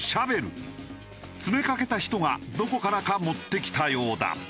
詰めかけた人がどこからか持ってきたようだ。